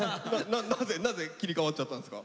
なぜ切り替わっちゃったんですか？